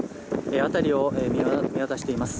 辺りを見渡しています。